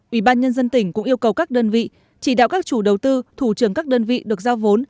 ubnd tỉnh cũng yêu cầu các đơn vị chỉ đạo các chủ đầu tư thủ trưởng các đơn vị được giao vốn